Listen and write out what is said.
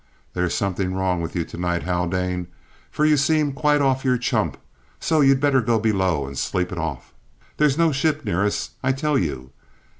"There's something wrong with you to night, Haldane, for you seem quite off your chump, so you'd better go below and sleep it off. There's no ship near us, I tell you!